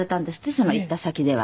その行った先では。